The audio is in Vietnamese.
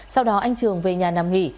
sau đó anh trường về nhà nằm nghỉ